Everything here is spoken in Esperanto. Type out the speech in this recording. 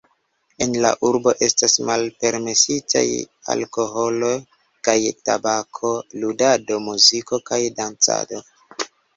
En la urbo estas malpermesitaj alkoholo kaj tabako, ludado, muziko kaj dancado.